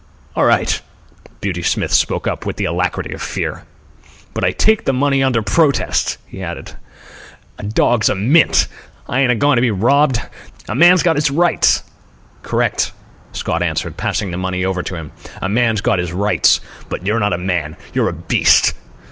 "All right," Beauty Smith spoke up with the alacrity of fear. "But I take the money under protest," he added. "The dog's a mint. I ain't a goin' to be robbed. A man's got his rights." "Correct," Scott answered, passing the money over to him. "A man's got his rights. But you're not a man. You're a beast."